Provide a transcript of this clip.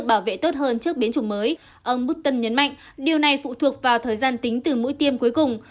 bảo vệ tốt hơn trước biến chủng mới ông bút tân nhấn mạnh điều này phụ thuộc vào thời gian tính từ mũi tiêm cuối cùng